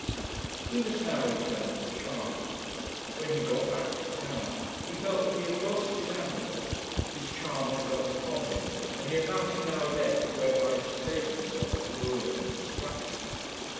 We must now return to Charley. When he got back to town, he felt that he had lost his amulet; his charm had gone from him, and he had nothing now left whereby to save himself from ruin and destruction.